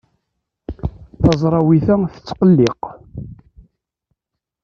Taẓrawit-a tettqelliq.